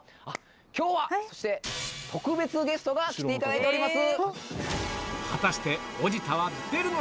今日はそして特別ゲストが来ていただいております。